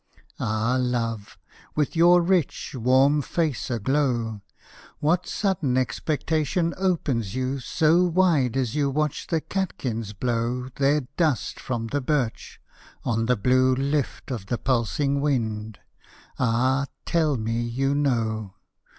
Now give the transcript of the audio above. Ah love, with your rich, warm face aglow, What sudden expectation opens you So wide as you watch the catkins blow Their dust from the birch on the blue Lift of the pulsing wind ah, tell me you know!